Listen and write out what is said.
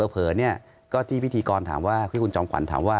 เผลอเนี่ยก็ที่พิธีกรถามว่าที่คุณจอมขวัญถามว่า